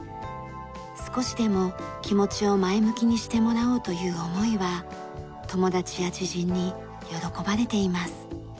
少しでも気持ちを前向きにしてもらおうという思いは友達や知人に喜ばれています。